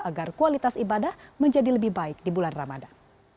agar kualitas ibadah menjadi lebih baik di bulan ramadan